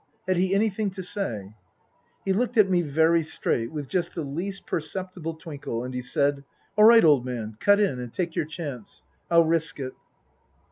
Had he anything to say ? He looked at me very straight, with just the least perceptible twinkle, and he said, " All right, old man, cut in, and take your chance. I'll risk it."